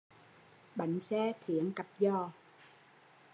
Bánh xe thiến cặp giò